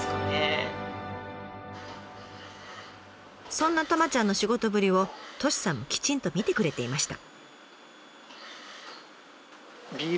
そんなたまちゃんの仕事ぶりをＴｏｓｈｉさんもきちんと見てくれていました。